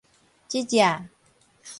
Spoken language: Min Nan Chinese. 這跡